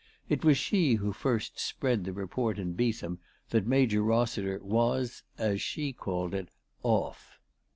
* It was she who first spread the report in Beetham that Major Eossiter was, as she called it," off."